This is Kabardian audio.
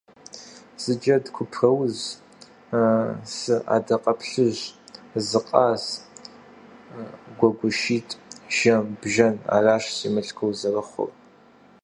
Зы джэд купрауз, сы адакъэплъыжь, зы къаз, гуэгушитӏ, жэм, бжэн, аращ си мылъкур зэрыхъур.